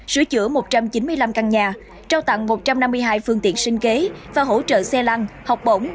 sửa chữa một trăm chín mươi năm căn nhà trao tặng một trăm năm mươi hai phương tiện sinh kế và hỗ trợ xe lăng học bổng